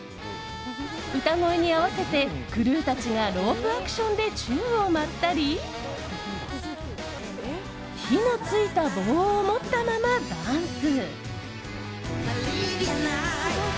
歌声に合わせて、クルーたちがロープアクションで宙を舞ったり火の付いた棒を持ったままダンス。